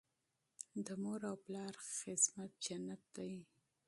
د مور او پلار خدمت جنت دی.